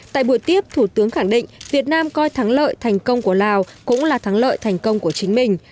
tại buổi tiếp thủ tướng khẳng định việt nam coi thắng lợi thành công của lào cũng là thắng lợi thành công của chính mình